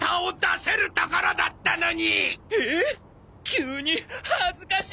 急に恥ずかしい！